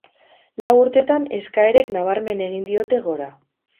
Lau urtetan eskaerek nabarmen egin diote gora.